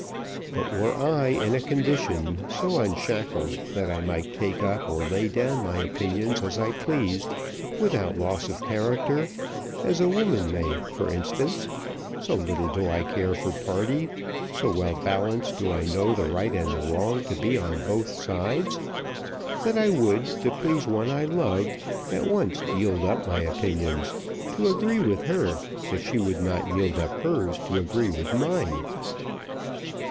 But were I in a condition so unshackled that I might take up or lay down my opinions as I pleased, without loss of character as a woman may, for instance so little do I care for party so well balanced do I know the right and the wrong to be on both sides that I would, to please one I loved, at once yield up my opinions, to agree with her, if she would not yield up hers to agree with mine."